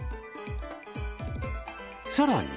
さらに。